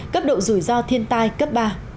cấp độ rủi ro thiên tai cấp ba